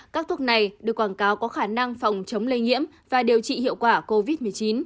các thuốc này được quảng cáo có khả năng phòng chống lây nhiễm và điều trị hiệu quả covid một mươi chín